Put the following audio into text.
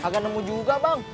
gak nemu juga bang